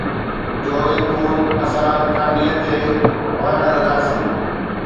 جوئي خُون اسان ھر ڪانڊيءَ تي وھڻ لڳاسين